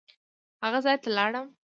هغه ځای ته لاړم.